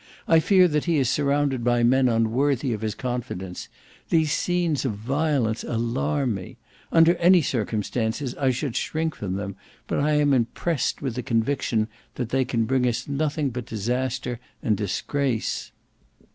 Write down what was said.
I fear that he is surrounded by men unworthy of his confidence. These scenes of violence alarm me. Under any circumstances I should shrink from them, but I am impressed with the conviction that they can bring us nothing but disaster and disgrace."